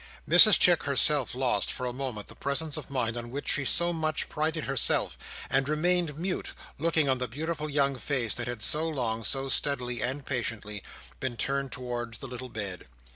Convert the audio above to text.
Mrs Chick herself lost, for a moment, the presence of mind on which she so much prided herself; and remained mute, looking on the beautiful young face that had so long, so steadily, and patiently, been turned towards the little bed.